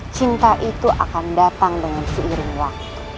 cinta itu akan datang dengan seiring waktu